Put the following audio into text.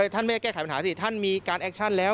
ท่านไม่ให้แก้ไขปัญหาสิท่านมีการแอคชั่นแล้ว